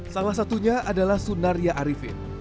salah satunya adalah sunaria arifin